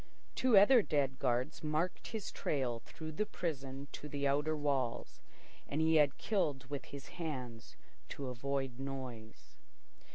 Two other dead guards marked his trail through the prison to the outer walls, and he had killed with his hands to avoid noise.